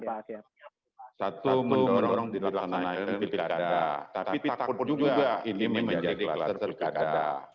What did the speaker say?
satu mendorong dilaksanakan pilkada tapi takut juga ini menjadi kluster pilkada